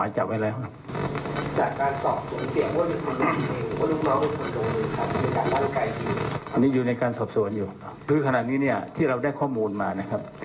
อันนี้อยู่ในการสอบสวนอยู่คือขณะนี้เนี่ยที่เราได้ข้อมูลมานะครับ